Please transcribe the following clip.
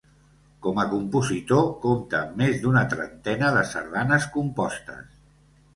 Com a compositor compta amb més d’una trentena de sardanes compostes.